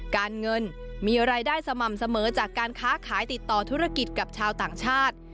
การเงินมีรายได้สม่ำเสมอจากการค้าขายติดต่อธุรกิจกับชาวต่างชาติ